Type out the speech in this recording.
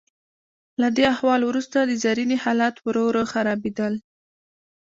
له دې احوال وروسته د زرینې حالات ورو ورو خرابیدل.